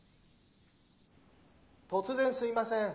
・突然すいません。